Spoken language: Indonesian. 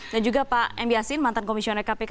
dan juga pak m b asin mantan komisioner kpk